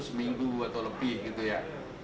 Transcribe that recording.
seminggu atau lebih gitu ya